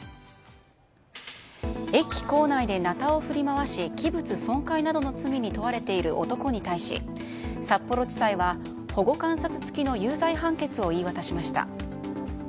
駅構内でなたを振り回し器物損壊などの罪に問われている男に対し札幌地裁は保護観察付きの有罪判決を言い渡しました。